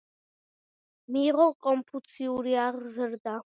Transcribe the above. მიიღო კონფუციური აღზრდა.